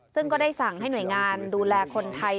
ซึ่งก็ได้สั่งให้หน่วยงานดูแลคนไทย